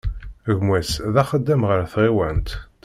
Gma-s d axeddam ɣer tɣiwant.